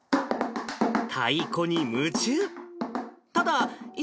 太鼓に夢中。